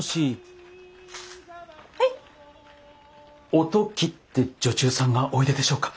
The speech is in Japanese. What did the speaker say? お時って女中さんがおいででしょうか？